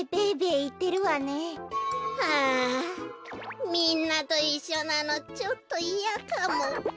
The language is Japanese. はあみんなといっしょなのちょっといやかも。